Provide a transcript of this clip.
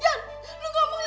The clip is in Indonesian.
ian lo gak boleh